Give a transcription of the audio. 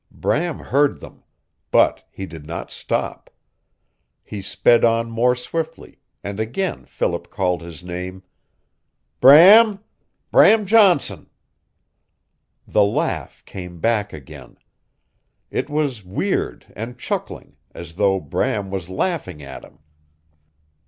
Bram heard them. But he did not stop. He sped on more swiftly, and again Philip called his name. "Bram Bram Johnson " The laugh came back again. It was weird and chuckling, as though Bram was laughing at him.